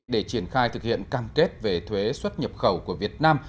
để triển khai thực hiện cam kết về thuế xuất nhập khẩu của việt nam